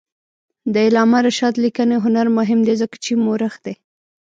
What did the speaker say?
د علامه رشاد لیکنی هنر مهم دی ځکه چې مؤرخ دی.